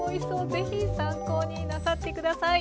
是非参考になさって下さい。